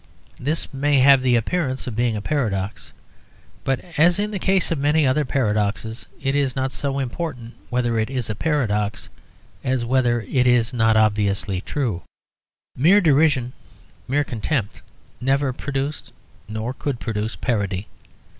This may have the appearance of being a paradox, but, as in the case of many other paradoxes, it is not so important whether it is a paradox as whether it is not obviously true. Mere derision, mere contempt, never produced or could produce parody.